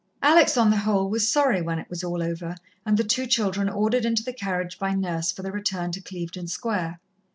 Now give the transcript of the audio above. Alex, on the whole, was sorry when it was all over, and the two children ordered into the carriage by Nurse for the return to Clevedon Square.